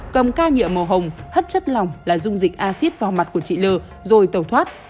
cầm ca nhựa màu hồng hất chất lòng là dung dịch acid vào mặt của chị t d l rồi tàu thoát